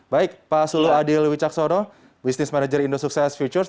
baik pak sulu adil wicaksono business manager indosukses futures